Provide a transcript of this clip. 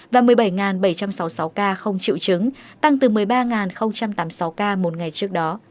và một mươi bảy bảy trăm sáu mươi sáu ca không chịu chứng tăng từ một mươi ba tám mươi sáu ca một ngày trước đó